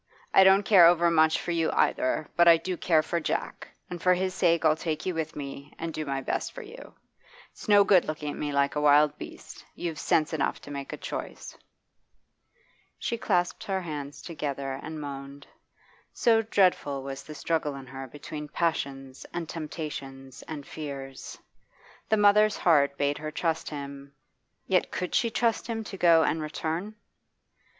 I don't care over much for you either; but I do care for Jack, and for his sake I'll take you with me, and do my best for you. It's no good looking at me like a wild beast You've sense enough to make a choice.' She clasped her hands together and moaned, so dreadful was the struggle in her between passions and temptations and fears. The mother's heart bade her trust him; yet could she trust him to go and return?